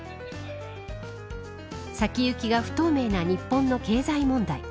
先行きが不透明な日本の経済問題